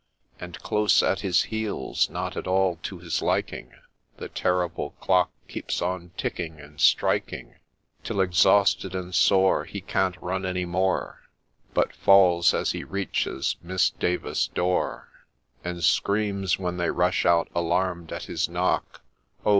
And close at his heels, not at all to his liking, The terrible clock keeps on ticking and striking, Till, exhausted and sore, He can't run any more, But falls as he reaches Miss Davis's door, And screams when they rush out, alarm' d at his knock, ' Oh